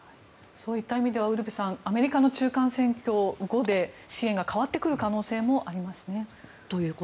そうした意味ではウルヴェさんアメリカの中間選挙後で支援が変わってくる可能性もありますね。